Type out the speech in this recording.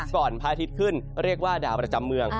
พระอาทิตย์ขึ้นเรียกว่าดาวประจำเมือง